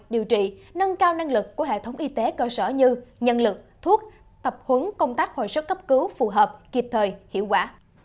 điều trị nâng cao năng lực của hệ thống y tế cơ sở như nhân lực thuốc tập huấn công tác hồi sức cấp cứu phù hợp kịp thời hiệu quả